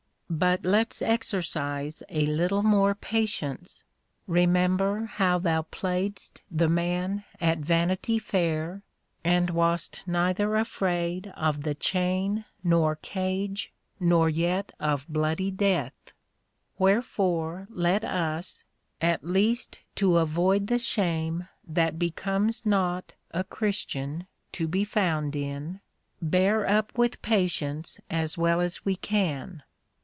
But let's exercise a little more patience, remember how thou playedst the man at Vanity Fair, and wast neither afraid of the Chain, nor Cage, nor yet of bloody Death: wherefore let us (at least to avoid the shame that becomes not a Christian to be found in) bear up with patience as well as we can.